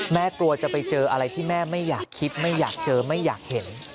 กลัวจะไปเจออะไรที่แม่ไม่อยากคิดไม่อยากเจอไม่อยากเห็น